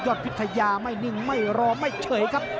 พิทยาไม่นิ่งไม่รอไม่เฉยครับ